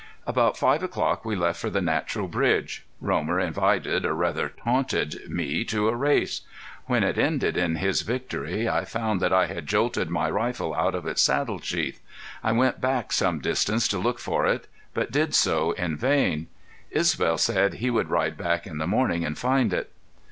About five o'clock we left for the Natural Bridge. Romer invited or rather taunted me to a race. When it ended in his victory I found that I had jolted my rifle out of its saddle sheath. I went back some distance to look for it, but did so in vain. Isbel said he would ride back in the morning and find it.